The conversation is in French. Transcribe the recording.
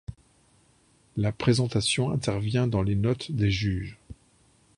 La présentation intervient dans les notes des juges.